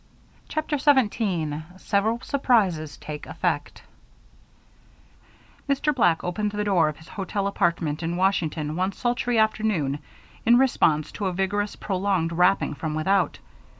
CHAPTER 17 Several Surprises Take Effect Mr. Black opened the door of his hotel apartment in Washington one sultry noon in response to a vigorous, prolonged rapping from without.